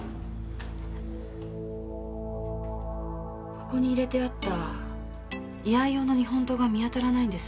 ここに入れてあった居合用の日本刀が見当たらないんです。